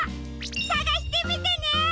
さがしてみてね！